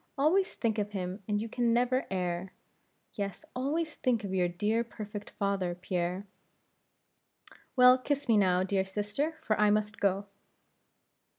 always think of him and you can never err; yes, always think of your dear perfect father, Pierre." "Well, kiss me now, dear sister, for I must go."